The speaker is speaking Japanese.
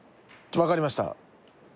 分かりました。